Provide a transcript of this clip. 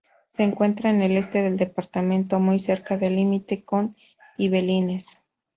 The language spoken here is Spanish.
Se encuentra en el este del departamento, muy cerca del límite con Yvelines.